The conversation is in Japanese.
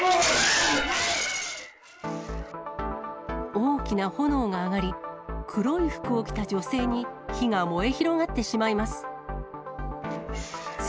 大きな炎が上がり、黒い服を着た女性に火が燃え広がってしまいます。